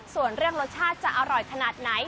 ส่วนเรื่องรสชาติจะอร่อยขนาดไหน